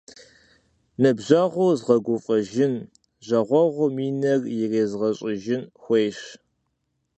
Ныбжьэгъур згъэгуфӏэжын, жагъуэгъум и нэр ирезгъэщӏыжын хуейщ.